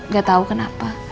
gak tau kenapa